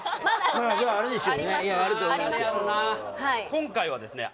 今回はですね